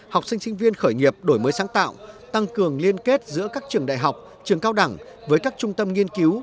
học sinh sinh viên khởi nghiệp đổi mới sáng tạo tăng cường liên kết giữa các trường đại học trường cao đẳng với các trung tâm nghiên cứu